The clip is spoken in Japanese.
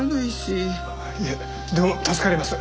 いえでも助かります。